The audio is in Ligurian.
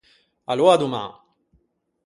Aloa à doman.